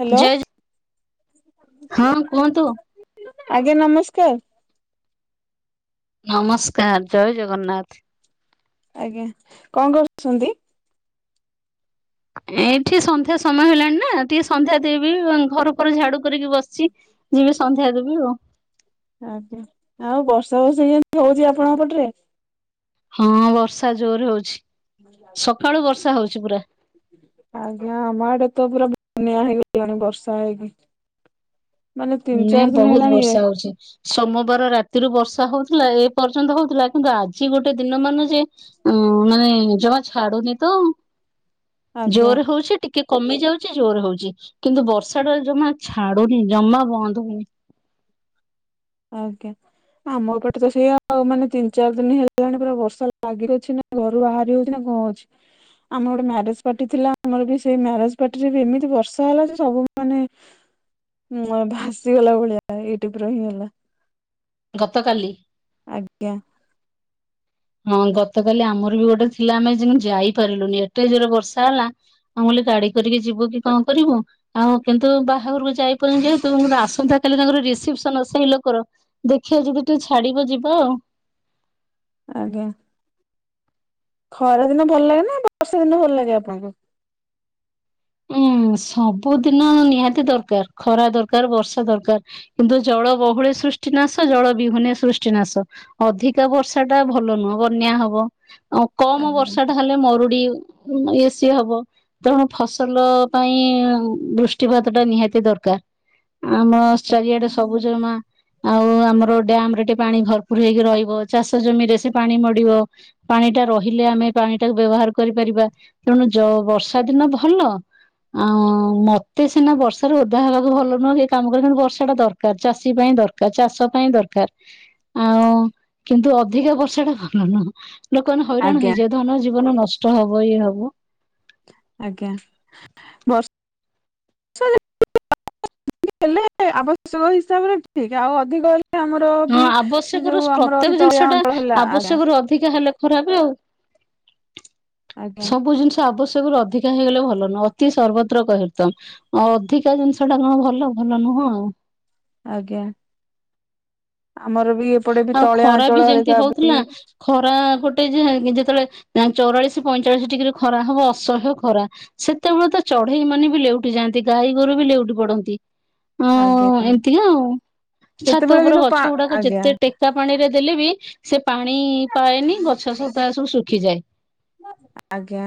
Hello ଜୟ ହଁ କୁହନ୍ତୁ। ଆଜ୍ଞା ନମସ୍କାର। ନମସ୍କାର ଜୟ ଜଗନ୍ନାଥ। ଆଜ୍ଞା। କଣ କରୁଛନ୍ତି? ଏଇଠି ସନ୍ଧ୍ୟା ସମୟ ହେଲାଣି ନା ଟିକେ ସନ୍ଧ୍ୟା ଦେଇବି ଘର ଘର ଝାଡୁ କରିକି ବସିଚି ଯିବି ସନ୍ଧ୍ୟା ଦେବି ଆଉ। ଆଜ୍ଞା ଆଉ ବର୍ଷା ବର୍ଷା କେମିତି ହଉଛି ଆପଣଙ୍କ ପଟରେ? ହଁ ବର୍ଷା ଜୋର ହଉଛି ସକାଳୁ ବର୍ଷା ହଉଛି ପୁରା। ଆଜ୍ଞା ଆମ ଆଡେ ତ ପୁରା ବନ୍ୟା ହେଇଗଲାଣିି ବର୍ଷା ହେଇକି। ମାନେ ତିନି ହୁଁ ଚାରି ଦିନ ବହୁତ ହେଲାଣି ଏ [inaudible] ସୋମବାର ରାତିରୁ ବର୍ଷା ହଉଥିଲା ଏ ପର୍ଯ୍ୟନ୍ତ ହଉଥିଲା କିନ୍ତୁ ଆଜି ଗୋଟେ ଦିନ ମାନେ ଯେ ଅ ମାନେ ଜମା ଛାଡୁନି ତ ଆଜ୍ଞା ଜୋର ହଉଛି ଟି କେ କମି ଯାଉଛି ଜୋର ହଉଛି କିନ୍ତୁ ବର୍ଷା ଟା ଜମା ଛାଡୁନି ଜମା ବନ୍ଦ ହଉନି। ଆଜ୍ଞା ଆମପଟେ ତ ସେଇଆ ଆଉ ମାନେ ତିନି ଚାରି ଦିନ ହେଲାଣି ପୁରା ବର୍ଷା ଲାଗି ର ଅଛି ନା। ଘରୁ ବାହାରି ହଉଛି ନା କଣ ହଉଛି। ଆମର ଗୋଟେ ମ୍ୟାରେଜ ପାର୍ଟି ଥିଲା ଆମର ବି ସେଇ ମ୍ୟାରେଜ ପାର୍ଟିରେ ବି ଏମିତି ବର୍ଷା ହେଲା ଯେ ସବୁମାନେ ମୁଁ ଭାସିଗଲା ଭଳିଆ ଏଇଟିପ ରହିଁଗଲା। ଗତକାଲି। ଆଜ୍ଞା। ହଁ ଗତକାଲି ଆମର ବି ଗୋଟେ ଥିଲା ଆମେ ଯେମତି ଯାଇପାରିଲୁନି ଏତେ ଜୋର ବର୍ଷା ହେଲା। ମୁଁ କିହିଲି ଗାଡି କରିକି ଯିବୁ କି କଣ କରିବୁ। ଆଉ କିନ୍ତୁ ବାହାଘରକୁ ଯାଇପାରିନୁ ଯେ ଆସନ୍ତା କାଲି ତାଙ୍କର ରିସେପସନ ସେଇ ଲୋକର। ଦେଖିବା ଯଦି ଟିକେ ଛାଡିବ ଯିବା ଆଉ। ଆଜ୍ଞା ଖରା ଦିନ ଭଲ ଲାଗେ ନା ବର୍ଷା ଦିନ ଭଲ ଲାଗେ ଆପଣଙ୍କୁ? ଉୁଁ ସବୁଦିନ ନିହାତି ଦରକାର ଖରା ଦରକାର ବର୍ଷା ଦରକାର। କିନ୍ତୁ ଜଳ ବହୁଳେ ସୃଷ୍ଟିନାଶ ଜଳ ବିହୁନେ ସୃଷ୍ଟିନାଶ। ଅଧିକା ବର୍ଷା ଟା ଭଲ ନୁହଁ ବନ୍ୟା ହବ ଆଉ କମ ଆଜ୍ଞା ବର୍ଷା ଟା ହେଲେ ମରୁଡି ଇ ଏ ସି ହବ ତେଣୁ ଫସ ଫସଲ ପାଇଁ ବୃଷ୍ଟିପାତ ଟା ନିହାତି ଦରକାର। ଆମ ଚାରିଆଡେ ସବୁଜମା ଆଉ ଆମର ଡ୍ୟାମ ରେ ଟିକେ ପାଣି ଭରପୁର ହେଇକି ରହିବ ଚାଷ ଜମିରେ ସେ ପାଣି ଗଡିବ। ପାଣି ଟା ରହଲେ ଆମେ ପାଣି ଟାକୁ ବ୍ୟବହାର କରିପାରିବା ତେଣୁ ଯ ବର୍ଷା ଦିନ ଭଲ ଆଉ ମତେ ସିନା ବର୍ଷାରୁ ଓଦା ହେବାକୁ ଭଲ ନୁହେଁ କି କାମ କ କିନ୍ତୁ ବର୍ଷା ଟା ଦର ଚାଷୀ ପାଇଁ ଦରକାର ଚାଷ ପାଇଁ ଦରକାର। ଆଉ କିନ୍ତୁ ଅଧିକା ବର୍ଷା ଟା ଭଲ ନୁହଁ। ଲୋକମାନେ ହଇରାଣ ଆଜ୍ଞା ହେଇଯାଏ ଧନ ଜୀବନ ନଷ୍ଟ ହବ ଇଏ ହବ। ଆଜ୍ଞା। ବର୍ଷା ହେଲେ ଆବଶ୍ୟକ ହିସାବରେ ଠିକ ଆଉ ଅଧିକ ହେଲେ ଆମର। ହଁ ଆବଶ୍ୟକ ରୁ ଅଛି ପ୍ରତ୍ୟେକ ତଳିଆ ଜିନିଷ ଟା ଅଞ୍ଚଳ ହେଲା ଆଜ୍ଞା ଆବଶ୍ୟକ ରୁ ଅଧିକା ହେଲେ ଖରାପ ଆଉ ଆଜ୍ଞା ସବୁ ଜିନିଷ ଆବଶ୍ୟକ ରୁ ଅଧିକା ହେଇଗଲେ ଭଲ ନୁହଁ ଅତି ସର୍ବତ୍ର କହି ତମ ଆ ଅଧିକା ଜିନିଷ ଟା କଣ ଭଲ ଭଲ ନୁହଁ ଆଉ। ଆଜ୍ଞା। ଆମର ବି ଏପଟେ ବି ଆଉ ତଳିଆ ଖରା ବି ଅଞ୍ଚଳ ଯେମିତି ହେରିକା ହଉଥିଲା ଯେତିକି ଖରା ଗୋଟେ ଯେ ଯେତେବେଳେ ଚଉରାଳିଶ ପଇଁଚାଳିଶ ଡିଗ୍ରୀ ଖରା ହବ ଅସହ୍ୟ ଖରା। ସେତେବେଳେ ତ ଚଢେଇ ମାନେ ବି ଲେଉଠି ଯାଆନ୍ତି ଗାଈ ଗୋରୁ ବି ଲେଉଠି ପଡନ୍ତି। ହ ଆଜ୍ଞା ଏମତିକା ଆଉ ଛାତ ସେତେବେଳେ ଉପରେ କିନ୍ତୁ ଗଛ ପା ଗୁଡାକ ଯେତ ଆଜ୍ଞା ଟେକା ପାଣି ରେ ଦେଲେ ବି ସେ ପାଣି ପାଏନି ଗଛ ସଫା ସବୁ ଶୁଖିଯାଏ। ଆଜ୍ଞା।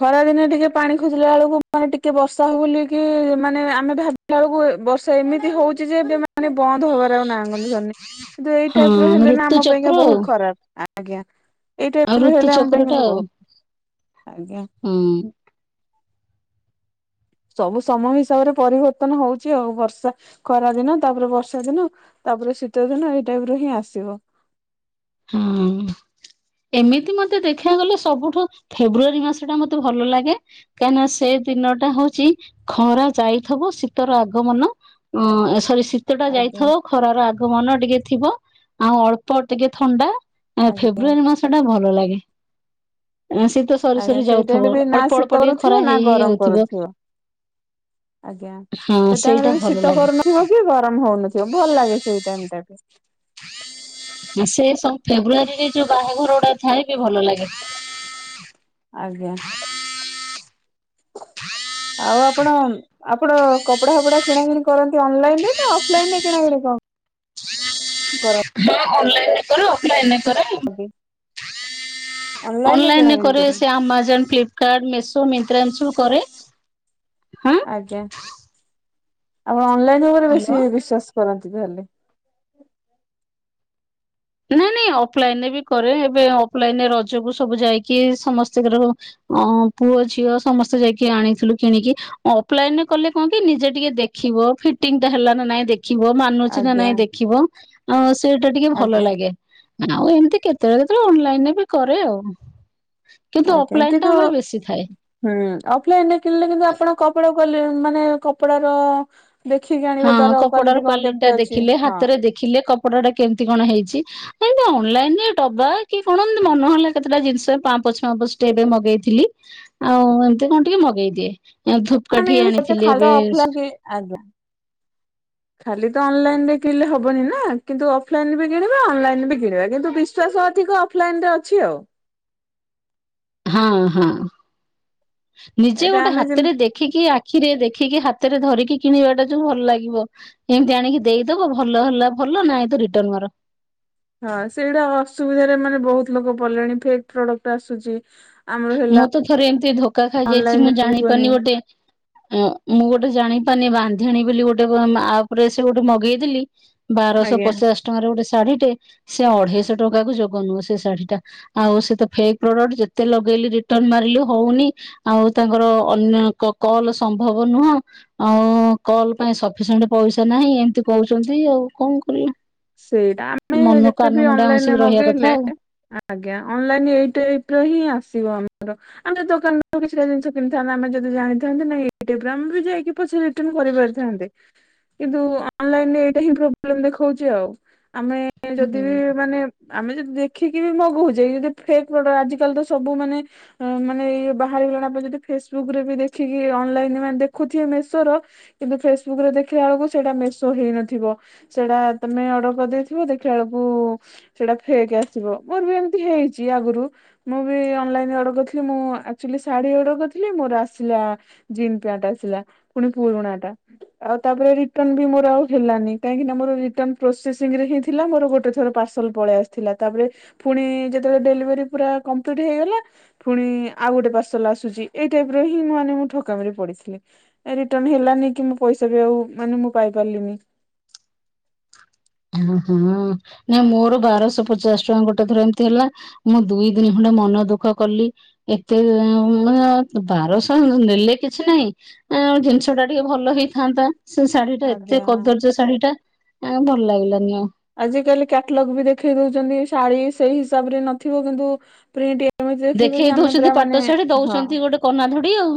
ଖରା ଦିନେ ଟିକେ ପାଣି ଖୋଜିଲା ବେଳକୁ ମାନେ ଟିକେ ବର୍ଷା ହବ ବୋଲି କି ମାନେ ଆମେ ଭା ବେଳକୁ ବର୍ଷା ଏମିତି ହଉଛି ଯେ ଏବେ ମାନେ ବନ୍ଦ ହବାର ଆଉ ନା ଗନ୍ଧ ଧରୁନି। କିନ୍ତୁ ଏଇ ଟାଇପ ର ହଁ ହେଲେ ନା ଋତୁ ଆମ ପାଇଁକା ଚକ୍ର ଆଉ ବହୁତ ଖରାପ ଆଜ୍ଞା। ଏଇ ଆଉ ଟାଇପ ର ଋତୁ ହେଲେ ଆମ ପାଇଁ ଚକ୍ର ଟା କିନ୍ତୁ ଆଉ। ବହୁତ ଆଜ୍ଞା। ହୁଁ। ସବୁ ସମୟ ହିସାବରେ ପରିବର୍ତ୍ତନ ହଉଛି ଆଉ ବର୍ଷା ଖରା ଦିନ ତାପରେ ବର୍ଷା ଦିନ। ତାପରେ ଶୀତ ଦିନ ଏଇ ଟାଇପ ର ହିଁ ଆସିବ। ହଁ। ଏମିତି ମତେ ଦେଖି ବାକୁ ଗଲେ ସବୁଠୁ ଫେବୃଆରୀ ମାସ ଟା ମତେ ଭଲ ଲାଗେ। କାହିଁକିନା ସେ ଦିନ ଟା ହଉଛି ଖରା ଯାଇଥିବ ଶୀତର ଆଗମନ। ଅ ସରି ଶି ତେଟା ଆଜ୍ଞା ଯାଇଥିବ ଖରାର ଆଗମନ ଟିକେ ଥିବ ଆଉ ଅଳ୍ପ ଟିକେ ଥଣ୍ଡା ହଁ ଆଜ୍ଞା ଫେବୃଆାରୀ ମାସ ଟା ଭଲ ଲାଗେ ସେ ଶୀତ ସରି ଆଜ୍ଞା ସରି ସେଇ ଟାଇମ ଯାଉଥିବ ବି ନା ଅଳ୍ପ ଶୀତ ଅଳ୍ପ ଟିକେ କରୁଥିବ ଖରା ନା ହେଇ ହେଇ ଗରମ ଆଉଥିବ। କରୁଥିବ ଆଜ୍ଞା। ହଁ ସେ ଟାଇମ ରେ ସେଇଟା ବି ଭଲ ଶୀତ ଲାଗେ କରୁନଥିବ କି ଗରମ ହଉନ ନଥିବ। ସେ ଭଲ ଲାଗେ ସେଇ ଟାଇମ ଟା ବି। [unintelligible] ସେ ଫେବୃଆାରୀରେ ଯୋଉ ବାହାଘର ଗୁଡା ଥାଏ ବି ଭଲ ଲାଗେ। ଆଜ୍ଞା। ଆଉ ଆପଣ ଆପଣ କପଡା ଫପଡା କିଣାକିନି କରନ୍ତି ଅନଲାଇନ ରେ ନା ଅଫଲାଇନ ରେ କିଣାକଣି କ କର ହଁ ଅନଲାଇନ କରେ ଅଫଲାଇନରେ କରେ। [unintelligible] ରେ ଅନଲାଇନ କିଣାକିଣି କରେ ସେ କରନ୍ତି ଆମଜନ ଫ୍ଲିପ କ ମେସୋ ମିତ୍ରା କରେ ହଁ ଆଜ୍ଞା। ଆଉ ଆପଣ ଅନଲାଇନ ଉପରେ ହ୍ୟାଲୋ। ବେଶୀ ବିଶ୍ୱାସ କରନ୍ତି ତାହାଲେ ନାଇଁ ନାଇଁ ଅଫଲାଇନରେ ବି କରେ ଏବେ ଅଫଲାଇନରେ ରଜକୁ ସବୁ ଯାଇକି ସମସ୍ତିଙ୍କର ଅ ପୁଅ ଝିଅ ସମସ୍ତେ ଯାଇକି ଆଣିଥିଲୁ କିଣିକି ଅଫଲାଇନ ରେ କଲେ କଣ କି ନିଜେ ଟିକେ ଦେଖିବ ଫିଟିଙ୍ଗ ଟା ହେଲା ନା ନାଇଁ ଦେ ଦେଖିବ ମାନୁଛି ନା ଆଜ୍ଞା ନାଇଁ ଦେଖିବ ଆ ସେଇଟା ଟିକେ ଭଲ ଆଜ୍ଞା ଲାଗେ। ଆଉ ଏମିତି କେତେବେଳେ କେତେବେଳେ ଅନଲାଇନରେ ବି କରେ ଆଉ। କିନ୍ତୁ ଆଜ୍ଞା। ଅଫଲାଇନ କିନ୍ତୁ ଟା ଆମର ବେଶୀ ଥାଏ। ହୁଁ ଅଫଲାଇନରେ କିଣିଲେ କିନ୍ତୁ ଆପଣ କପଡା ଗଲେ ମାନେ କପଡାର ଦେଖିକି ଆଣିବେ ହଁ ତାର କପଡାର କ୍ୱାଲିଟି କଣ କ୍ଵାଲିଟି ଟା କେମିତି ଅଛି ଦେଖିଲେ ହଁ ହାତରେ ଦେଖିଲେ କପଡା ଟା କେମିତି କଣ ହେଇଛି ଏ ଅନଲାଇନରେ ଡବା କି କଣ ମନେହେଲା କେତେଟା ଜିନିଷ ପାଁ ପଛ ଫାପଛ ଟେ ଏବେ ମଗେଇଥିଲି। ଆଉ ଏମିତି କଣ ଟିକେ ମଗେଇଦିଏ ଆମେ ଧୂପକାଠି ୟୁଜ କରୁଛେ ଆଣିଥିଲି ଖାଲି ଏବେ ଅଫଲାଇନ ଆଜ୍ଞା। [inaudible] ଖାଲି ତ ଅନଲାଇନ ରେ କିଣିଲେ ହବନି ନା କିନ୍ତୁ ଅଫଲାଇନ ବି କିଣିବା ଅନଲାଇନ ବି କିଣିବା କିନ୍ତୁ ବିସ ଶ୍ଵାସ ଅଧିକ ଅଫଲାଇନ ରେ ଅଛି ଆଉ। ହଁ ହଁ ନିଜେ ଏଇଟା ଗୋଟେ ଆମେ ଯେମିତି ହାତରେ ଦେଖ ଦେଖିକି ଆଖିରେ ଦେଖିକି ହାତରେ ଧରିକି କିଣିବା ଟା ଯୋଉ ଭଲ ଲାଗିବ ଏମିତି ଆଣିକି ଦେଇଦବ ଭଲ ହେଲା ଭଲ ନାଇ ତ ରିଟର୍ନ ମାର। ହଁ ସେଇଟା ଅସୁବିଧାରେ ମାନେ ବହୁତ ଲୋକ ପଡ଼ିଲେଣି ଫେକେ ପ୍ରଡକ୍ଟ ଆସୁଛି। ଆମର ହେଲା ମୁଁ ତ ଥରେ ଏମିତି ଧୋକା ଖାଇଯାଇଛି ଅନଲାଇନ ମୁଁ ମଗିବନି। ଜାଣିପାରୁନି ଗୋଟେ ଆମୁଁ ଗୋଟେ ଜାଣିପାରୁନି ବାନ୍ଧେଣି ବୋଲି ଗୋଟେ ଆପ ସେ ଗୋଟେ ମଗେଇଥିଲି ବାରଶହ ଆଜ୍ଞା। ପଚାଶ ଟଙ୍କାରେ ଗୋଟେ ଶାଢୀ ଟେ ସେ ଅଢେଇଶହ ଟଙ୍କା କୁ ଯୋଗ ନୁହ ସେ ଶାଢୀ ଟା ଆଉ ସେ ତ ଫେକ୍ ପ୍ରଡକ୍ଟ ଯେତେ ଲ ଗ ରିଟର୍ଣ ମାରିଲି ହଉନି ଆଉ ତାଙ୍କର ଅନ୍ୟ କଲ ସମ୍ଭବ ନୁହଁ ଆଉ କଲ ପାଇଁ ସଫିସିଏଣ୍ଟ ପଇସା ନାହିଁ ଏମିତି କହୁଛନ୍ତି ଆଉ କଣ କର ସେଇଟା ଆମେ ଯେତେ ବି ଅନଲାଇନରେ ହଁସିକି ରହିବା କଥା ମଗେଇଲେ ଆଉ। ଆଜ୍ଞା ଅନଲାଇନ ଏଇ ଟାଇପ ର ହିଁ ଆସିବ ଆମର ଆମେ ଦୋକାନରୁ କିଛିଟା ଜିନି କିଣିଥାନ୍ତେ ଆମେ ଯଦି ଜାଣିଥାନ୍ତେ ନା ୟୁଟୁବ ରେ ଆମ ବି ଯାଇକି ପଚାରି କରି ପାରି ଥାଆନ୍ତେ କିନ୍ତୁ ଅନ୍ ଲାଇନ୍ ଏଇଟା ହିଁ ପ୍ରୋବଲେମ ଦେଖଉଛି ଆଉ ଆମେ ଯଦି ହୁଁ ବି ମାନେ ଆମେ ଯଦି ଦେଖିକି ବି ମଗଉଛେ ଯଦି ଫେକ୍ଟ ଆଜି କାଲି ତ ସବୁ ମାନେ ମାନେ ଇଏ ବାହାରିଗଲାଣି ପଣ ଯଦି ଫେସବୁକ ରେ ବି ଦେଖିକି ଅନଲାଇନ ମାନେ ଦେଖୁଥିବେ ମେସୋର କିନ୍ତୁ ଫେସବୁକ ରେ ଦେଖିଲା ବେଳକୁ ସେଇଟା ମେସୋ ହେଇନଥିବ ସେଟା ତମେ ଅର୍ଡର କରିଦେଇଥିବ ଦେଖିବା ବେଳକୁ ସେଇଟା ଫେକ ଆସିବ ମୋର ବି ଏମିତି ହେଇଛି ଆଗରୁ ମୁଁ ବି ଅନଲାଇନ୍ ଅର୍ଡର କରିଥିଲି ମୁଁ ଶାଢୀ ଅର୍ଡର କରିଥିଲି ମୋର ଆସିଲା ଜିନ୍ ପ୍ୟାଣ୍ଟ ଆସିଲା ପୁଣି ପୁରୁଣାଟା ଆଉ ତାପରେ ରିଟର୍ଣ ବି ମୋର ଆଉ ହେଲାନି କାହିଁକି ନା ମୋର ରିଟର୍ନ ପ୍ରୋସେସିଂ ରେ ହିଁ ଥିଲା ମୋର ଗୋଟେ ଥର ପାର୍ସଲ ପଳେଇ ଆସିଥିଲା ତାପରେ ପୁଣି ଯେତେବେଳେ ଡେଲିଭରି ପୁରା କମ୍ପଲିଟ ହେଇଗଲା ପୁଣି ଆଉ ଗୋଟେ ପାର୍ଶଲ ଆସୁଛି ଏଇ ଟାଇପ ର ହିଁ ମାନେ ମୁଁ ଠକାମିରେ ପଡିଥିଲି ଏ ରିଟର୍ନ ହେଲାନି କି ମୁଁ ପଇସା ବି ଆଉ ମାନେ ମୁଁ ପାଇ ପାରିଲିନି ହଁ ହୁଁ ନାଇ ମୋର ବାରଶହ ପଚାଶ ଟଙ୍କା ଗୋଟେ ଥର ଏମିତି ହେଲା ମୁଁ ଦୁଇ ଦିନ ଖଣ୍ଡେ ମନ ଦୁଃଖ କଲି ଏତେ ବାରଶହ ନେଲେ କିଛି ନାହିଁ ଏଁ ଜିନିଷଟା ଟିକେ ଭଲ ହେଇଥାନ୍ତା ସେ ଶାଢୀଟା ଏତେ ଆଜ୍ଞା। କଦର୍ଯ୍ୟ ଶାଢୀ ଟା ଭଲ ଲାଗିଲାନି ଆଉ ଆଜିକାଲି କ୍ୟାଟଲଗ ବି ଦେଖେଇ ଦଉଛନ୍ତି ଶାଢୀ ସେଇ ହିସାବରେ ନଥିବ କିନ୍ତୁ ପ୍ରିଣ୍ଟ କେମିତି ଦେଖିବୁ ଯେ ଦେଖେଇ ଆମେ ଦଉଛନ୍ତି ପୁରା ମାନେ ପାଟ ଶାଢୀ ହଁ ଦଉଛନ୍ତି ଗୋଟେ କନା ଧଡି ଆଉ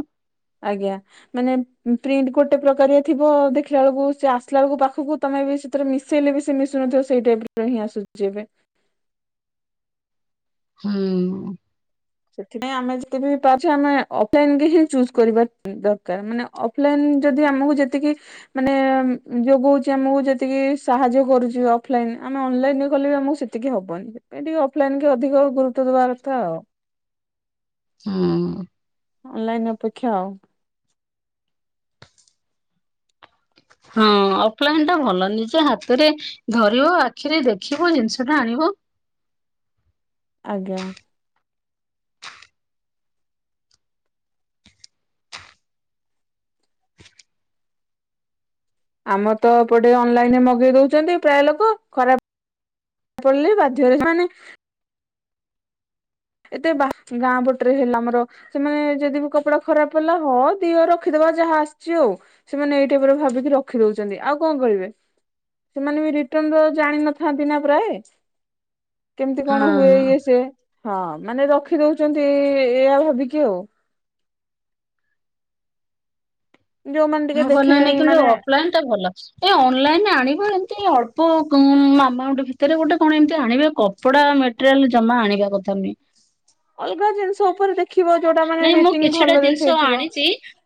ଆଜ୍ଞା ମାନେ ପ୍ରିଣ୍ଟ ଗୋଟେ ପ୍ରକାରେ ଥିବ ଦେଖିଲା ବେଳକୁ ସେ ଆସିଲା ବେଳକୁ ପାଖକୁ ତମେ ବି ମିଶେଇଲେ ବି ସେ ମିଶୁନଥିବ ସେଇ ଟାଇପରେ ହିଁ ଆସୁଛି ଏବେ ହୁଁ ସେଥିପାଇଁ ଆମେ ଏକ୍ଚୁଲି ଆମେ ଅଫଲାଇନ ହିଁ ଚୁଜ କରିବା ଦରକାର ମାନେ ଦେନ୍ ଯଦି ଆମକୁ ଯେତିକି ମାନେ ଯୋଗଉଛି ଆମକୁ ଯେତିକି ସାହାଯ୍ୟ କରୁଛି ଅଫଲାଇନ ଆମେ ଅନଲାଇନ କଲେ ଆମକୁ ସେ ଟିକେ ହବନି ଟିକେ ଅଫଲାଇନ କି ଅଧିକ ଗୁରୁତ୍ଵ ଦବା କଥା ଆଉ ହୁଁ ଅନଲାଇନ ଅପେକ୍ଷା ଆଉ ହଁ ଅଫଲାଇନ ଟା ଭଲ ନିଜେ ହାତରେ ଧରିବ ଆଖିରେ ଦେଖିବ ଜିନିଷ ଟା ଆଣିବ ଆଜ୍ଞା ଆମର ତ ଏପଟେ ଅନଲାଇନ ରେ ମଗେଇ ଦଉଛନ୍ତି ପ୍ରାୟ ଲୋକ ଖରାପ ପଡିଲେ ବି ବାଧ୍ୟ ହେ ମାନେ ଏତେ ବା ଗାଁ ପଟରେ ହେଲା ଆମର ସେମାନେ ଯଦି ବି କପଡା ଖରାପ ହେଲା ହଁ ଦିହ ରଖିଦବା ଯାହା ଆସିଛି ଆଉ ସେମାନେ ଏଇଟାଇପର ଭାବିକି ରଖି ଦଉଛନ୍ତି ଆଉ କଣ କରିବେ ସେମାନେ ବି ରିତର୍ଣ୍ଣର ଜାଣିିନଥାନ୍ତି ନା ପ୍ରାୟ କେମିତି କଣ ହୁଏ ହଁ ଇଏ ସି ହଁ ମାନେ ରଖି ଦଉଛନ୍ତି ଏଇଆ ଭାବିକି ଆଉ ଯୋଉମାନେ ଟିକେ ମୁଁ ବନେଇନି ଦେଖିଲେଣି କିନ୍ତୁ ମାନେ ଅଫଲାଇନ୍ ଟା ଭଲ ଏ ଅନଲାଇନରେ ଆଣିବା ଏମିତି ଅଳ୍ପ ମାମା ଗୋଟେ ଭିତରେ ଗୋଟେ କଣ ଏମତି ଆଣିବ କ କପଡା ମେଟେରିଆଲ ଜମା ଆଣିବା କଥା ନୁହେଁ ଅଲଗା ଜିନିଷ ଉପରେ ଦେଖିବ ଯୋଉଟା ମାନେ ନାଇଁ ମୁଁ ରେଟିଙ୍ଗ କିଛିଟା ଭଲ ଜିନିଷ ଦେଖେଇଥିବ ଆଣିଛି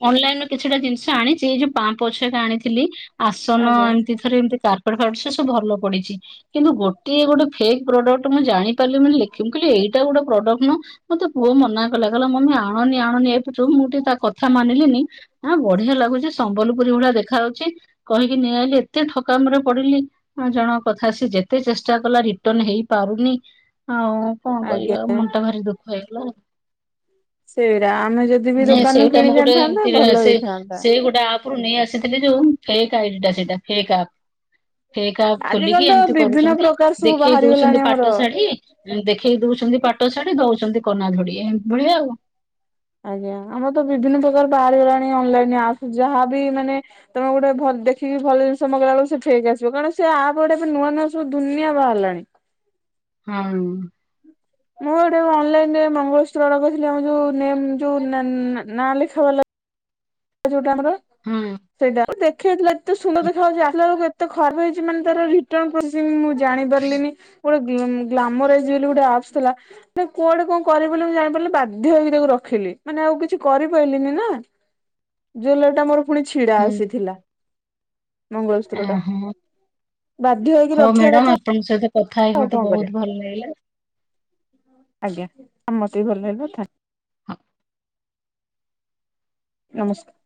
ଅନଲାଇନ ରୁ କିଛିଟା ଜିନିଷ ଆଣିଛି ଏଇ ଯୋଉ ପାମ୍ ପଛକ ଆଣିଥିଲି ଆସନ ଆଜ୍ଞା ଏମିତି ପାରେ ଏମିତି କାର୍ଟ ଫ ସେ ସବୁ ଭଲ ପଡିଛି କିନ୍ତୁ ଗୋଟିଏ ଗୋଟେ ଫେକ ପ୍ରଡକ୍ଟ ମୁଁ ଜାଣି ପାରିଲି ମାନେଖିବି କହିଲି ଏଇଟା ଗୋଟେ ପ୍ରଡକ୍ଟ ନୁହଁ ମତେ ପୁଅ ମନା କଲା। କହିଲା ମମି ଆଣନି ଆଣନି ଏ ଯୋଗୁଁ ମୁଁ ତା କଥା ମାନିଲିନି ଆ ବଢିଆ ଲାଗୁଛି ସମ୍ବଲପୁରୀ ଭଳିଆ ଦେଖା ଯାଉଛି କହିକି ନେଇଆଇଲି ଏତେ ଠକାମିରେ ପଡିଲି। ଜଣଙ୍କ କଥା ସେ ଯେତେ ଚେଷ୍ଟା କଲା ରିଟର୍ଣ ହେଇ ପାରୁନି ଆଉ କଣ ଆଜ୍ଞା। କରିବା ଆଉ ମନଟା ଭାରି ଦୁଃଖ ହେଇଗଲା। ସେ ରାମେ ଯ ମେ ସେଇଟା ମୁଁ ଗୋଟେ ଏମତି ସେ ହେଇଥାନ୍ତା। ସେଇ ଗୋଟେ ଆପ ରୁ ନେଇ ଆସିଥିଲି ଯୋଉ ଫେକ ଆଇଡି ସେଇଟା ଫେକ ଆପ। ଫେକ ଆପ ଖୋଲିକି ଆଜିକାଲି ତ ଏମିତି ବିଭିନ୍ନ କରୁଛନ୍ତି ପ୍ରକାର ସବୁ ଦେଖେଇ ବାହାରିଗଲାଣି ଦଉଛନ୍ତି ଆମର ପାଟ ଶାଢୀ ଦେଖେଇ ଦଉଛନ୍ତି ପାଟ ଶାଢ଼ୀ ଦଉଛନ୍ତି କନା ଧଡି ଏମିତି ଭଳିଆ ଆଉ ଆଜ୍ଞା ଆମର ତ ବିଭିନ୍ନ ପ୍ରକାର ବାହାରି ଗଲାଣି ଅନଲାଇନ ଆପ ଯାହାବି ମାନେ ତମେ ଗୋଟେ ଭଲ ଦେଖିକି ଭଲ ଜିନିଷ ମଗେଇଲା ବେଳ ସେ ଫେକ ଆସିବ କାରଣ ସେ ଆପ ଗୋଟେ ଏବେ ନୂଆ ନୂଆ ସବୁ ଦୁନିଆ ବାହାରିଲାଣି। ହଁ। ମୁଁ ଗୋଟେ ଅଲଲାଇନରେ ମଙ୍ଗଳସୂତ୍ର ଯୋଉ ନେମ୍ ନା ଲେଖା ଵାଲା ଯୋଉଟା ଆମର ହଁ ସେଇଟା ଦେଖେଇଥିଲା ଏତେ ସୁନ୍ଦର ହଁ ଦେଖା ଯାଉଛି ଆଣିଲା ଏତେ ତ ଖରାପ ହେଇଛି ମାନେ ତାର ରିଟଣ୍ଣ ମୁଁ କଣ କେମିତି ଜାଣି ପାରିଲିନି ଗୋଟେ ଗ୍ଲାମର ଏଜି ଗୋଟେ ଆସ୍ପ ଥିଲା ନା କୁଆଡେ କଣ କରିବି ବୋଲି ମୁଁ ଜାଣିପାରିଲି ବାଧ୍ୟ ହେଇକି ତାକୁ ରଖିଲି ମାନେ ଆଉ କିଛି କରିପାରିଲିନି ନା। ଜୁଲେରୀଟା ମୋର ପୁଣି ଛିଡା ହୁଁ ଆସିଥିଲା। ମଙ୍ଗଳସୂ୍ତ୍ରଟା ଓହୋ ବାଧ୍ୟ ହେଇକି ରଖିବା କଥା ତମ ସହିତ କଥା ହେଇକି ଆଉ ମତେ କଣ କରିବା ବହୁତ ଭଲ ଲାଗିଲା। ଆଜ୍ଞା ମୋତେ ବି ଭଲ ଲାଗିଲା ଥ୍ୟା ନମସ୍କାର।